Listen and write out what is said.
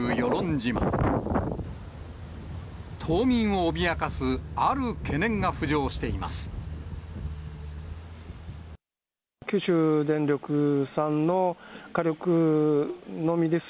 島民を脅かすある懸念が浮上しています。